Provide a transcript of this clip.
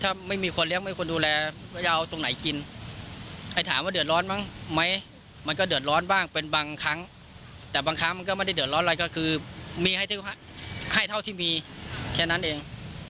ถ้าไม่มีคนเลี้ยงไม่ควรดูแลว่าจะเอาตรงไหนกินให้ถามว่าเดือดร้อนบ้างไหมมันก็เดือดร้อนบ้างเป็นบางครั้งแต่บางครั้งมันก็ไม่ได้เดือดร้อนอะไรก็คือมีให้เท่าที่มีแค่นั้นเอง